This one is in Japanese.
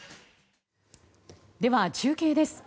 では、中継です。